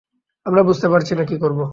আমরা বুঝতে পারছি না কী করব।